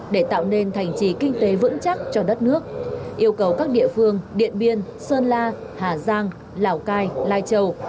để tạo nên thành trì kinh tế vững chắc cho đất nước yêu cầu các địa phương điện biên sơn la hà giang lào cai lai châu